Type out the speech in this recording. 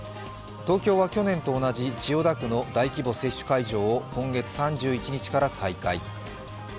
東京は去年と同じ千代田区の大規模接種会場を今月３１日から再開。